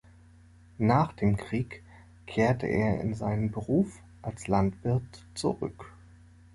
Nach dem Krieg kehrte er in seinen Beruf als Landwirt zurück.